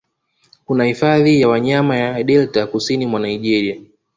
Kuna hifadhi ya wanyama ya Delta kusini mwa Naigeria